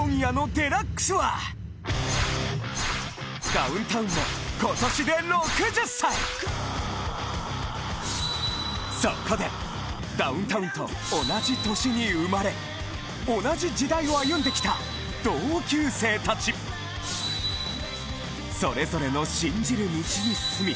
ダウンタウンも今年で６０歳そこでダウンタウンと同じ年に生まれ同じ時代を歩んできた同級生達それぞれの信じる道に進み